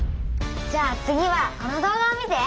じゃあ次はこの動画を見て！